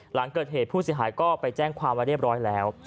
หลังเกิดเหตุผู้เสียหายก็ไปแจ้งความไว้เรียบร้อยแล้ว